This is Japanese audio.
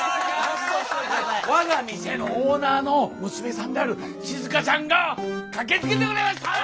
我が店のオーナーの娘さんであるしずかちゃんが駆けつけてくれました！よ！